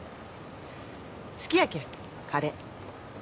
好きやけんカレー。